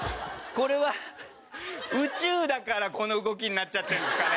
これは宇宙だからこの動きになっちゃってるんですかね？